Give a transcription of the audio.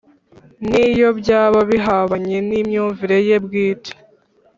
n’iyo byaba bihabanye n’imyumvire ye bwite